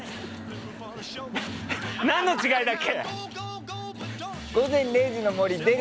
何の違いだっけ？